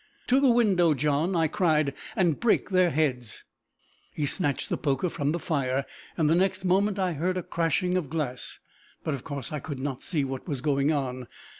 "To the window, John," I cried, "and break their heads!" He snatched the poker from the fire, and the next moment I heard a crashing of glass, but of course I could not see what was going on.